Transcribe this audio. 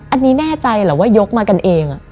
อันนี้แน่ใจเหรอว่ายกมากันเอง